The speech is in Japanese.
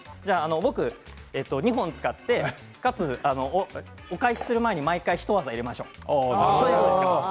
僕は２本使ってお返しする前、毎回ひと技を入れましょう。